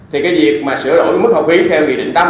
thì cái việc mà sửa đổi mức học phí theo nghị định tám mươi